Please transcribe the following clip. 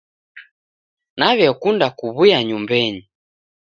Naw'eakunda kuw'uya nyumbenyi.